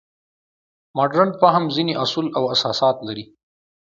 مډرن فهم ځینې اصول او اساسات لري.